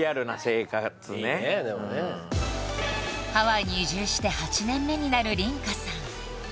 ハワイに移住して８年目になる梨花さん